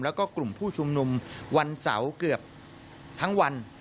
แล้วก็กลุ่มผู้ชุมนุมวันเสาร์เกือบทั้งวัน